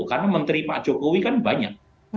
karena menteri pak jokowi kan banyak